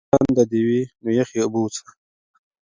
که تنده دې وي نو یخې اوبه وڅښه.